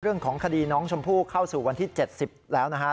เรื่องของคดีน้องชมพู่เข้าสู่วันที่๗๐แล้วนะฮะ